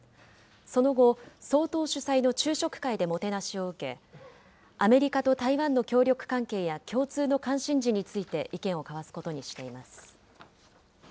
その後、総統主催の昼食会でもてなしを受け、アメリカと台湾の協力関係や、共通の関心事について意見を交わすことにしています。